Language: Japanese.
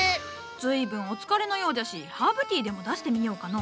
ずいぶんお疲れのようじゃしハーブティーでも出してみようかの。